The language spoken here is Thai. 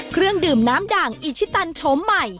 เครื่องดื่มน้ำด่างอิชิตันโฉมใหม่